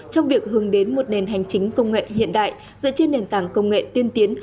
trong việc hướng đến một nền hành chính công nghệ hiện đại dựa trên nền tảng công nghệ tiên tiến